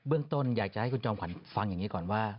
เรื่องต้นอยากจะให้คุณจอมขวัญฟังอย่างนี้ก่อนว่า